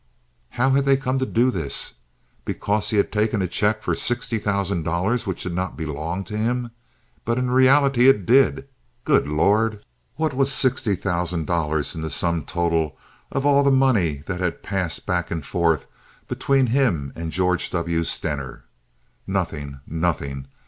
How had they come to do this? Because he had taken a check for sixty thousand dollars which did not belong to him? But in reality it did. Good Lord, what was sixty thousand dollars in the sum total of all the money that had passed back and forth between him and George W. Stener? Nothing, nothing!